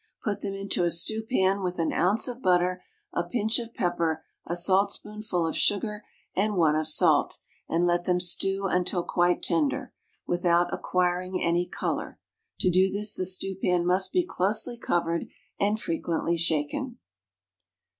Put them into a stewpan with an ounce of butter, a pinch of pepper, a saltspoonful of sugar and one of salt, and let them stew until quite tender, without acquiring any color. To do this the stewpan must be closely covered and frequently shaken.